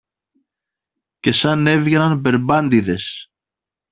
Και σαν έβγαιναν μπερμπάντηδες